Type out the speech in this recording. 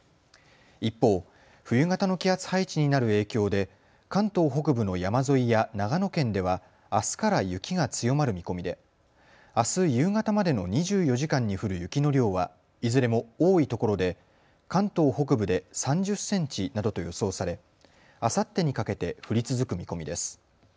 一方、冬型の気圧配置になる影響で関東北部の山沿いや長野県ではあすから雪が強まる見込みであす夕方までの２４時間に降る雪の量はいずれも多いところで関東北部で３０センチなどと予想されあさってにかけて降り続く見込みです。